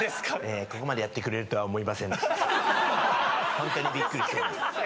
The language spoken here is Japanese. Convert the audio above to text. ホントにびっくりしてます。